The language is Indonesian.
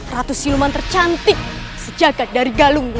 ratu siluman tercantik sejagat dari galungmu